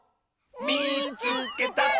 「みいつけた！」。